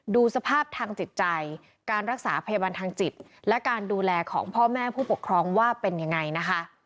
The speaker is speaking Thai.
ดูสภาพทางจิตใจการรักษาพยาบาลทางจิตและการดูแลของพ่อแม่ผู้ปกครองว่าเป็นยังไงนะคะ